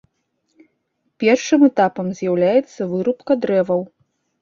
Першым этапам з'яўляецца вырубка дрэваў.